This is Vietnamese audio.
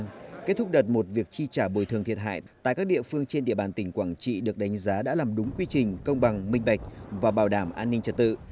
trong kết thúc đợt một việc chi trả bồi thường thiệt hại tại các địa phương trên địa bàn tỉnh quảng trị được đánh giá đã làm đúng quy trình công bằng minh bạch và bảo đảm an ninh trật tự